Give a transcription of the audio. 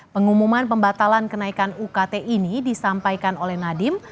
pengumuman pembatalan kenaikan ukt ini disampaikan oleh nadiem